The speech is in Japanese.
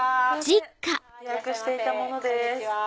予約していた者です。